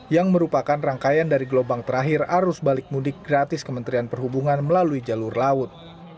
yang merupakan rangkaian dari gelombang terakhir arus balik mudik gratis kementerian perhubungan melalui jalur laut